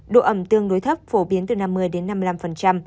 độ ẩm tương đối thấp phổ biến từ năm mươi đến năm mươi năm